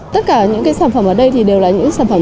tất cả những cái sản phẩm ở đây thì đều là những sản phẩm